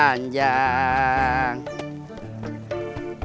jangka jang panjang